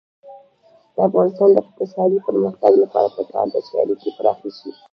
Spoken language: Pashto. د افغانستان د اقتصادي پرمختګ لپاره پکار ده چې اړیکې پراخې شي.